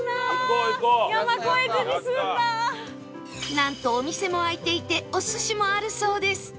なんとお店も開いていてお寿司もあるそうです